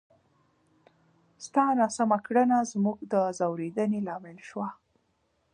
ستا ناسمه کړنه زموږ د ځورېدنې لامل شوه!